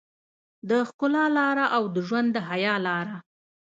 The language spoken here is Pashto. د ښکلا لاره او د ژوند د حيا لاره.